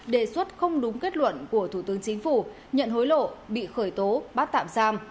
đề xuất không đúng kết luận của thủ tướng chính phủ nhận hối lộ bị khởi tố bắt tạm giam